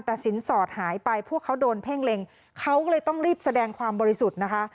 แต่สินสอดหายไปพวกเขาโดนเพ่งเล็งเขาก็เลยต้องรีบแสดงความบริสุทธิ์นะคะ